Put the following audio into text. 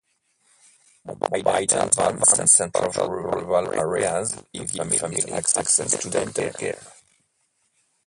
Mobile dental vans travel to rural areas to give families access to dental care.